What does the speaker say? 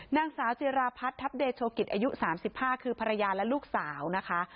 นางสาวจิราพัฒน์ทัพเดโชกิจอายุ๓๕คือภรรยาและลูกสาวนะคะ